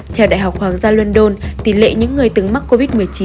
theo đại học hoàng gia london tỷ lệ những người từng mắc covid một mươi chín